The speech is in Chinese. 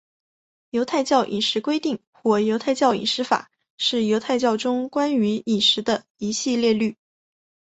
犹太教饮食规定或犹太饮食法是犹太教中关于饮食的一系列律。